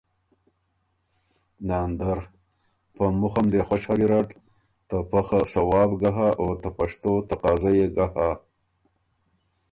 ناندر ـــ ”په مُخه م دې خوش هۀ ګیرډ، ته پۀ خه ثواب ګه هۀ او ته پشتو تقاضۀ يې ګۀ هۀ“